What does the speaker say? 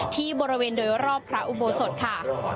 ที่บริเวณโดยรอบพระอุโบสถค่ะ